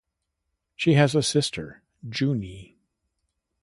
She has a sister, Junie.